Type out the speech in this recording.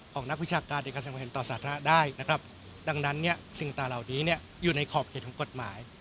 ของนักวิชาการในการเสียความเห็นต่อสาธารณะได้ดังนั้นสิ่งตาเหล่านี้อยู่ในขอบเขตของกฎหมาย